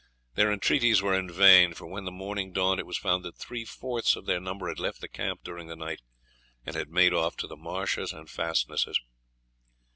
Their entreaties were in vain, for when the morning dawned it was found that three fourths of their number had left the camp during the night, and had made off to the marshes and fastnesses.